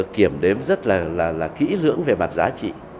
kiểm đếm rất là kỹ lưỡng về mặt giá trị